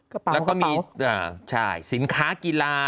กระเป๋าใช่สินค้ากีฬา